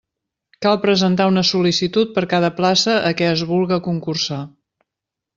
Cal presentar una sol·licitud per cada plaça a què es vulga concursar.